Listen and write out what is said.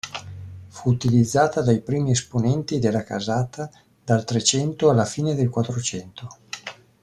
Fu utilizzata dai primi esponenti della casata, dal Trecento alla fine del Quattrocento.